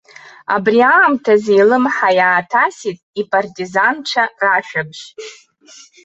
Абри аамҭазы илымҳа иааҭасит ипартизанцәа рашәабжь.